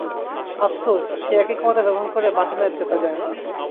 আফসোস, সেই একই ক্ষমতা ব্যবহার করে মাঠে ম্যাচ জেতা যায় না।